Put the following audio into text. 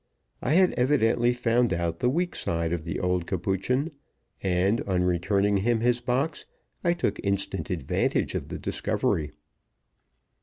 I had evidently found out the weak side of the old Capuchin, and, on returning him his box, I took instant advantage of the discovery.